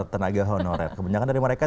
tenaga honorer kebanyakan dari mereka